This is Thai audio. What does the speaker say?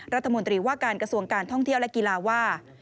รัฐมนตรีว่าการกระทรวงการท่องเที่ยวและกีฬาว่า